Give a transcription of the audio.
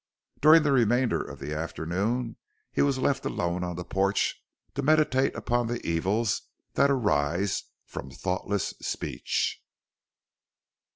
During the remainder of the afternoon he was left alone on the porch to meditate upon the evils that arise from thoughtless speech.